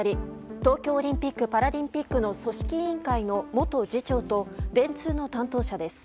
東京オリンピック・パラリンピックの組織委員会の元次長と電通の担当者です。